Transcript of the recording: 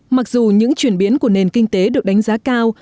mặc dù những chuyển biến của nền kinh tế được đánh giá cao